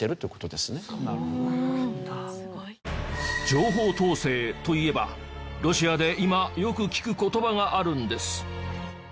情報統制といえばロシアで今よく聞く言葉があるんです。